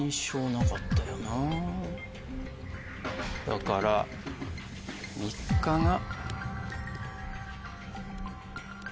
だから３日が。